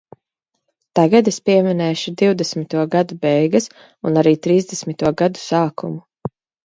Tagad es pieminēšu divdesmito gadu beigas un arī trīsdesmito gadu sākumu.